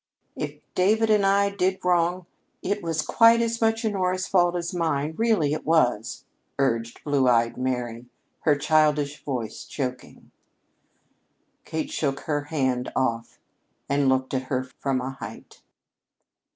"If David and I did wrong, it was quite as much Honora's fault as mine, really it was," urged "Blue eyed Mary," her childish voice choking. Kate shook her hand off and looked at her from a height.